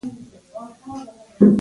کړاو د کمولو لپاره وس تمام کړي.